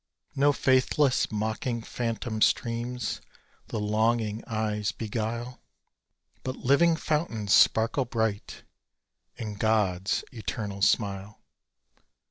No faithless mocking phantom streams the longing eyes beguile; But living fountains sparkle bright in God's eternal smile.